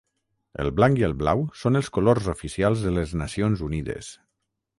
El blanc i el blau són els colors oficials de les Nacions Unides.